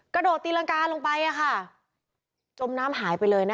กระโดดตีรังกาลงไปจมน้ำหายไปเลยนะคะ